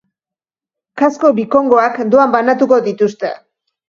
Kasko bikongoak doan banatuko dituzte.